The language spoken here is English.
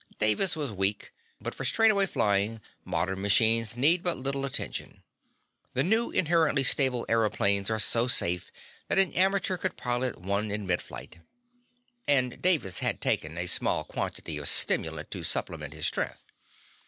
Davis was weak, but for straightaway flying modern machines need but little attention. The new inherently stable aëroplanes are so safe that an amateur could pilot one in midflight. And Davis had taken a small quantity of stimulant to supplement his strength.